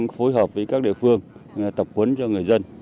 phối hợp với các địa phương tập huấn cho người dân